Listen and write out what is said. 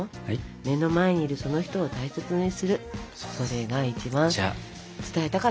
目の前にいるその人を大切にするそれが一番伝えたかったことなんだよ。